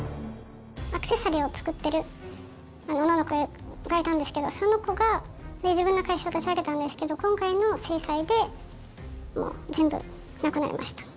アクセサリーを作ってる女の子がいたんですけどその子が自分の会社を立ち上げたんですけど今回の制裁でもう全部なくなりました。